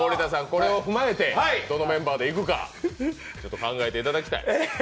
これを踏まえて、どのメンバーでいくか考えていただきたい。